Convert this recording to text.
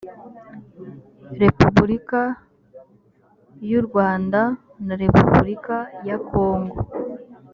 repubulika y u rwanda na repubulika ya congo